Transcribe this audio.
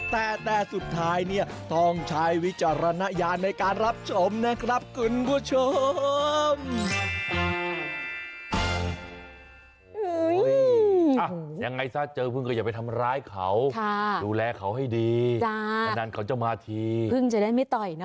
แต่แต่สุดท้ายเนี่ยต้องใช้วิจารณญาณในการรับชมนะครับคุณผู้ชม